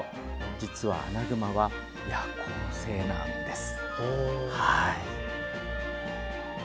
実はアナグマは夜行性なんです。